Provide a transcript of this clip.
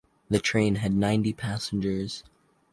The train had ninety passengers.